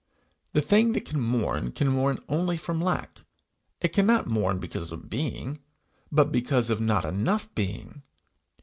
The thing that can mourn can mourn only from lack; it cannot mourn because of being, but because of not enough being.